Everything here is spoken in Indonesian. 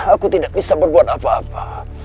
aku tidak bisa berbuat apa apa